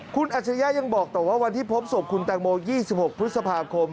คุณอัจฉริยะยังบอกต่อว่าวันที่พบศพคุณแตงโม๒๖พฤษภาคม